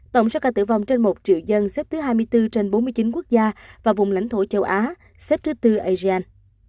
tổng số ca tử vong trên một triệu dân xếp thứ hai mươi bốn trên bốn mươi chín quốc gia và vùng lãnh thổ châu á xếp thứ tư asean